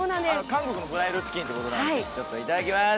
韓国のフライドチキンということでいただきます！